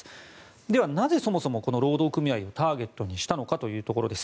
ではなぜそもそもこの労働組合をターゲットにしたのかというところです。